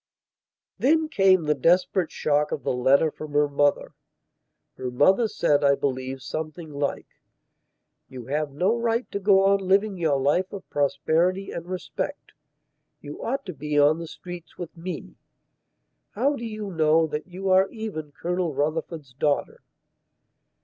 Then came the desperate shock of the letter from her mother. Her mother said, I believe, something like: "You have no right to go on living your life of prosperity and respect. You ought to be on the streets with me. How do you know that you are even Colonel Rufford's daughter?"